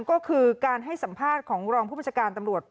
ก็คือการให้สัมภาษณ์ของรองผู้บัญชาการตำรวจ